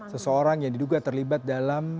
seseorang yang diduga terlibat dalam